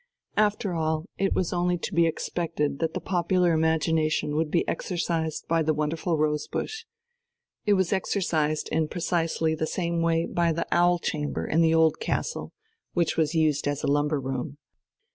After all, it was only to be expected that the popular imagination would be exercised by the wonderful rose bush. It was exercised in precisely the same way by the "owl chamber" in the Old Castle, which was used as a lumber room.